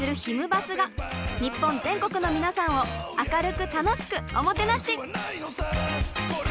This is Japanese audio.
バスが日本全国のみなさんを明るく楽しくおもてなし。